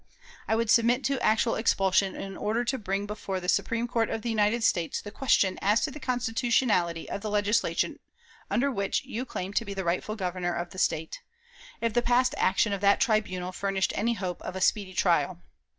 I would submit to actual expulsion in order to bring before the Supreme Court of the United States the question as to the constitutionality of the legislation under which you claim to be the rightful Governor of the State, if the past action of that tribunal furnished any hope of a speedy trial.